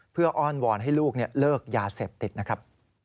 เพื่ออ้อนวอนให้ลูกเลิกยาเสพติดนะครับ